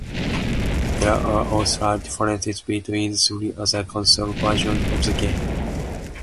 There are also slight differences between the three other console versions of the game.